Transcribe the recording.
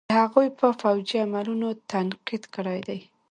د هغوئ په فوجي عملونو تنقيد کړے دے.